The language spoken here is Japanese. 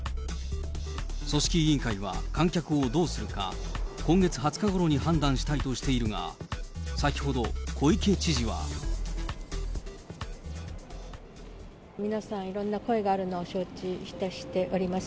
組織委員会は観客をどうするか、今月２０日ごろに判断したいとしているが、先ほど小池知事は。皆さん、いろんな声があるのを承知いたしております。